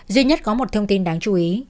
duy nhất có một thông tin đáng chú ý